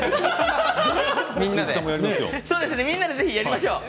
みんなでやりましょう。